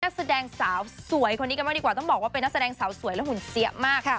นักแสดงสาวสวยคนนี้กันบ้างดีกว่าต้องบอกว่าเป็นนักแสดงสาวสวยและหุ่นเจี๊ยบมาก